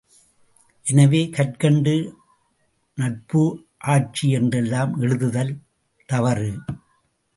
எனவே, கற்க்கண்டு, நட்ப்பு, ஆட்ச்சி என்றெல்லாம் எழுதுதல் தவறு.